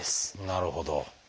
なるほど。